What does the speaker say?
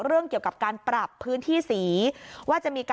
เรื่องเกี่ยวกับการปรับพื้นที่สี